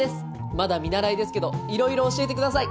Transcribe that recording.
まだ見習いですけどいろいろ教えてください！